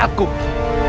aku akan menang